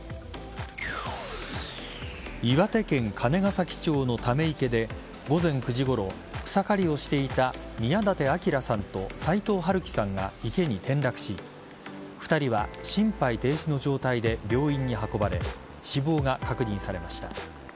岩手県金ケ崎町のため池で午前９時ごろ草刈りをしていた宮舘晃さんと齊藤春喜さんが池に転落し２人は心肺停止の状態で病院に運ばれ死亡が確認されました。